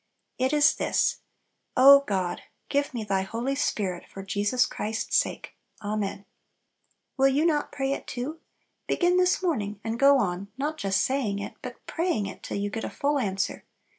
It is this: "O God, give me Thy Holy Spirit, for Jesus Christ's sake. Amen." Will you not pray it too? Begin this morning, and go on, not just saying it, but praying it, till you get a full answer.